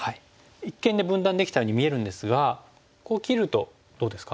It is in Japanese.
一見分断できたように見えるんですがこう切るとどうですか？